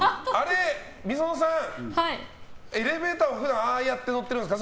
ｍｉｓｏｎｏさんエレベーターは普段ああやって乗ってるんですか？